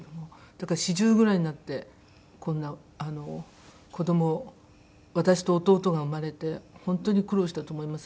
だから４０ぐらいになってこんな子ども私と弟が生まれて本当に苦労したと思います。